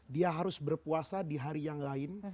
dia harus berpuasa di hari yang lain